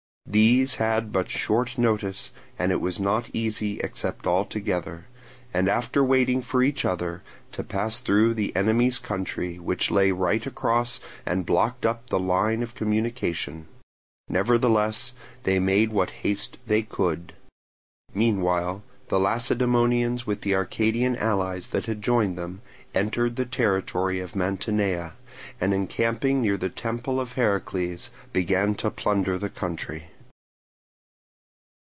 These had but short notice; and it was not easy except all together, and after waiting for each other, to pass through the enemy's country, which lay right across and blocked up the line of communication. Nevertheless they made what haste they could. Meanwhile the Lacedaemonians with the Arcadian allies that had joined them, entered the territory of Mantinea, and encamping near the temple of Heracles began to plunder the country.